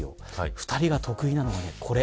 ２人が得意なのはこれ。